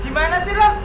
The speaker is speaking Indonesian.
gimana sih lu